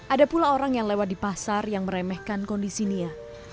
ada pula orang yang lewat di pasar yang meremehkan kondisi nia